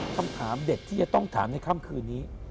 คำถามเด็ดที่จะต้องถามในค่ำคืนนี้